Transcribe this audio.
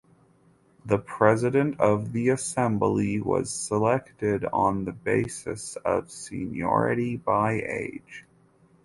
The "President of the Assembly" was selected on the basis of seniority by age.